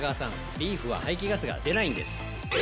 リーフは排気ガスが出ないんです！